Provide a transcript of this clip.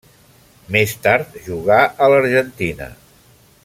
Més tard jugà a l'Argentina.